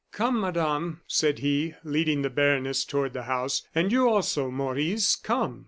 "Come, Madame," said he, leading the baroness toward the house; "and you, also, Maurice, come!"